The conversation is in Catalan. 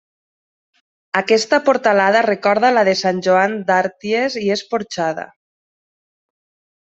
Aquesta portalada recorda la de Sant Joan d'Arties i és porxada.